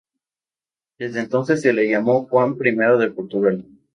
Desde entonces se le llamó Juan I de Portugal.